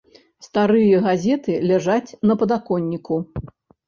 Старыя газеты ляжаць на падаконніку.